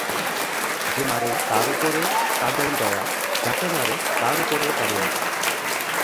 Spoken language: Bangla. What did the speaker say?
যে মারে তার উপরে তাঁর যেমন দয়া, যাকে মারে তার উপরেও তেমনি।